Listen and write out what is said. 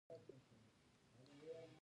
کلچې د غنمو له اوړو دي.